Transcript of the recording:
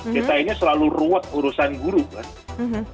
kita ini selalu ruwet urusan guru kan